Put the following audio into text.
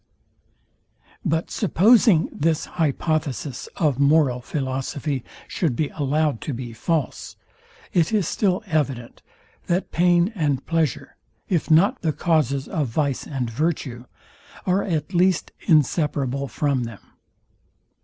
But supposing this hypothesis of moral philosophy should be allowed to be false, it is still evident, that pain and pleasure, if not the causes of vice and virtue, are at least inseparable from them.